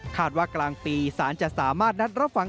ว่ากลางปีสารจะสามารถนัดรับฟัง